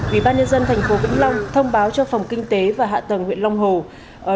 ủy ban nhân dân tp vĩnh long thông báo cho phòng kinh tế và hạ tầng huyện long hồ